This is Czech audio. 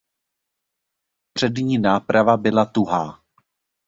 Přední náprava byla tuhá.